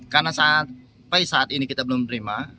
karena sampai saat ini kita belum terima